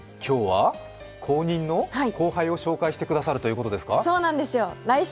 今日は後任の後輩を紹介してくださるということですか？